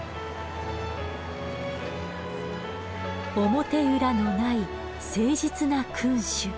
表裏のない誠実な君主。